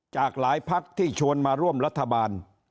จากหลายพักที่ชวนมาร่วมรัฐบาล